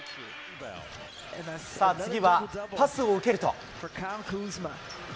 さあ、次はパスを受けると。